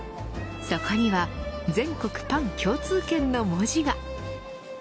そこには全国パン共通券の文字が。